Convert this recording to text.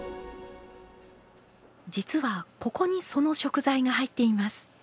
実はここにその食材が入っています。